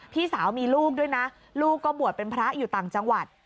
พี่สาวมีลูกด้วยนะลูกก็บวชเป็นพระอยู่ต่างจังหวัด